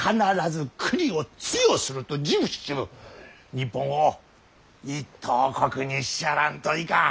日本を一等国にしちゃらんといかん。